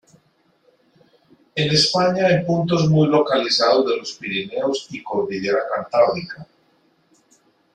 En España en puntos muy localizados de los Pirineos y Cordillera Cantábrica.